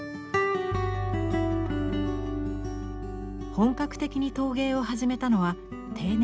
本格的に陶芸を始めたのは定年後。